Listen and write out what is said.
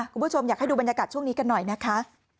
คุณผู้ชมอยากให้ดูบรรยากาศช่วงนี้กันหน่อยนะคะ